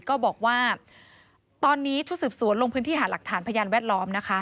ก็บอกว่าตอนนี้ชุดสืบสวนลงพื้นที่หาหลักฐานพยานแวดล้อมนะคะ